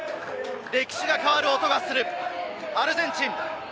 歴史が変わる音がするアルゼンチン。